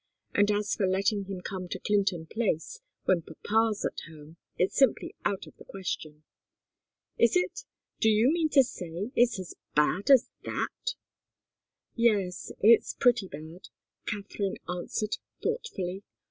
And as for letting him come to Clinton Place when papa's at home, it's simply out of the question." "Is it? Do you mean to say it's as bad as that?" "Yes it's pretty bad," Katharine answered, thoughtfully.